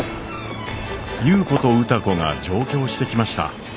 優子と歌子が上京してきました。